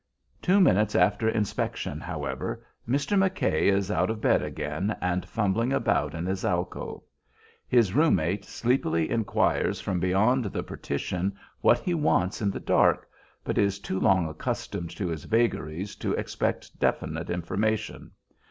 Two minutes after inspection, however, Mr. McKay is out of bed again and fumbling about in his alcove. His room mate sleepily inquires from beyond the partition what he wants in the dark, but is too long accustomed to his vagaries to expect definite information.